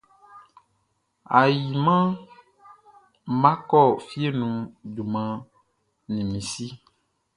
Ayinʼman nʼma kɔ fie nu juman ni mi si.